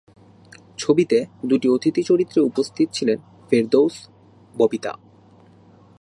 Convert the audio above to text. ছবিতে দুটি অতিথি চরিত্রে উপস্থিত ছিলেন ফেরদৌস, ববিতা।